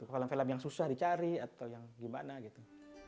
film film yang susah dicari atau yang gimana gitu